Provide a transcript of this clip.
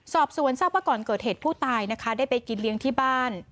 สอบสวนทราบว่าก่อนเกิดเหตุผู้ตายนะคะได้ไปกินเลี้ยงที่บ้าน